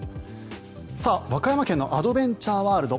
和歌山県のアドベンチャーワールド